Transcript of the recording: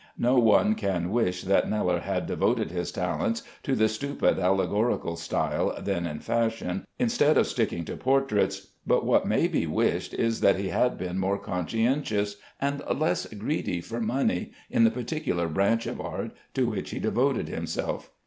No one can wish that Kneller had devoted his talents to the stupid allegorical style then in fashion, instead of sticking to portraits; but what may be wished is that he had been more conscientious, and less greedy for money, in the particular branch of art to which he devoted himself.